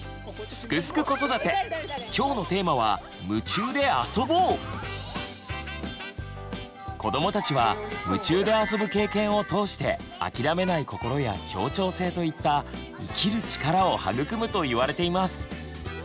「すくすく子育て」今日のテーマは子どもたちは夢中であそぶ経験を通して諦めない心や協調性といった「生きる力」を育むといわれています。